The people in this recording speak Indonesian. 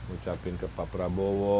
ucapin ke pak prabowo